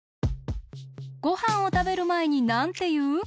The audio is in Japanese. ごはんをたべるまえになんていう？